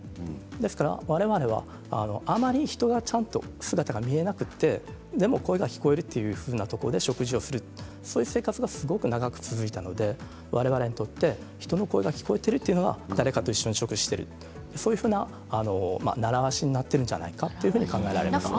ですから、われわれはあまり人がちゃんと姿が見えなくてでも声が聞こえるというふうなところで食事をするそういう生活がすごく長く続いたのでわれわれにとって人の声が聞こえているというのは誰かと一緒に食事をしているそういうふうなならわしになっているんじゃないかと考えられます。